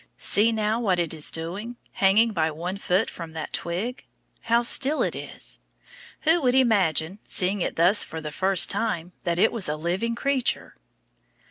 See now, what it is doing, hanging by one foot from that twig. How still it is. Who would imagine, seeing it thus for the first time, that it was a living creature?